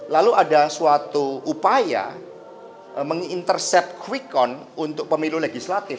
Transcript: lalu ada suatu upaya meng intercept kvikon untuk pemilu legislatif